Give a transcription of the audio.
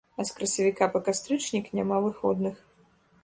А з красавіка па кастрычнік няма выходных.